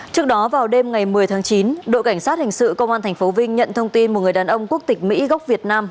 trước đó vào đêm ngày một mươi tháng chín đội cảnh sát hình sự công an tp vinh nhận thông tin một người đàn ông quốc tịch mỹ gốc việt nam